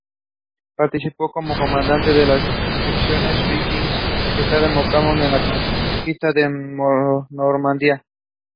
Each person has different preferences over the objects.